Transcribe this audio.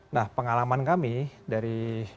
nah pengalaman kami dari dua ribu dua belas